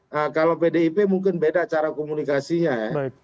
nah kalau pdip mungkin beda cara komunikasinya ya